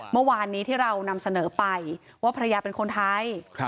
เมื่อวานนี้ที่เรานำเสนอไปว่าภรรยาเป็นคนไทย